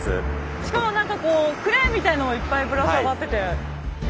しかもなんかこうクレーンみたいなのもいっぱいぶら下がってて。